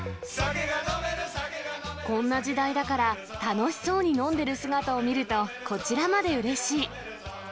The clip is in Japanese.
こんな時代だから、楽しそうに飲んでる姿を見ると、こちらまでうれしい。